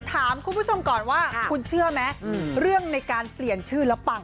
ถามคุณผู้ชมก่อนว่าคุณเชื่อไหมเรื่องในการเปลี่ยนชื่อแล้วปัง